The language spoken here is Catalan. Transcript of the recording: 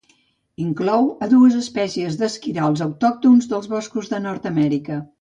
Inclou a dues espècies d'esquirols autòctons dels boscos de Nord-amèrica.